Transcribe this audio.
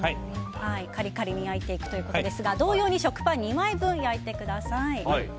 カリカリに焼いていくということですが同様に食パン２枚分焼いてください。